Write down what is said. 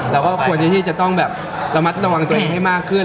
เราก็ควรที่จะต้องแบบระมัดระวังตัวเองให้มากขึ้น